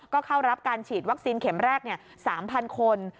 ก็เข้ารับการฉีดวัคซีนเข็มแรก๓๐๐คน